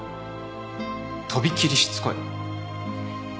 飛び切りしつこい。